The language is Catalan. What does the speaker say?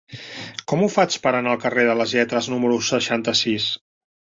Com ho faig per anar al carrer de les Lletres número seixanta-sis?